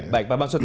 baik pak maksud